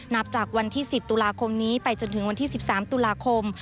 นับจากวันที่๑๐ตุลาคมนี้ไปจนถึงวันที่๑๓ตุลาคม